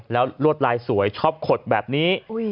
แล้วลวดลายสวยชอบขดแบบนี้